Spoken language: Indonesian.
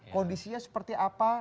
kondisinya seperti apa